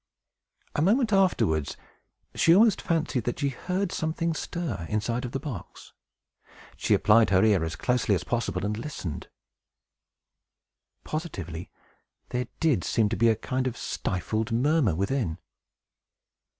A moment afterwards, she almost fancied that she heard something stir inside of the box. She applied her ear as closely as possible, and listened. Positively, there did seem to be a kind of stifled murmur, within!